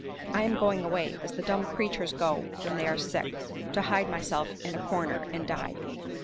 I am going away, as the dumb creatures go when they are sick, to hide myself in a corner, and die.